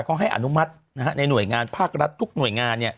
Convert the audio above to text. เขาให้อนุมัติในหน่วยงานภาครัฐทุกหน่วยงาน